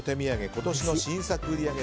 今年の新作売り上げ